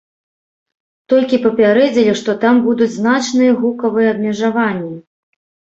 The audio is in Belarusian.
Толькі папярэдзілі, што там будуць значныя гукавыя абмежаванні.